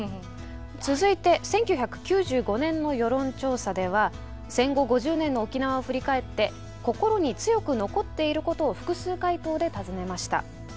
続いて１９９５年の世論調査では「戦後５０年の沖縄を振り返って心に強く残っていること」を複数回答で尋ねました。